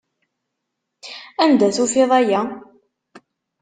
Anda tufiḍ aya?